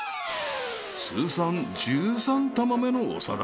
［通算１３玉目の長田］